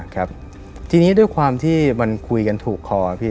ครับทีนี้ด้วยความที่มันคุยกันถูกคอครับพี่